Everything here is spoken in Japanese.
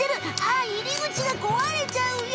あいりぐちがこわれちゃうよ！